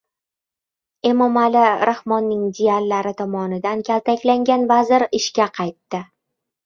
Emomali Rahmonning jiyanlari tomonidan kaltaklangan vazir ishga qaytdi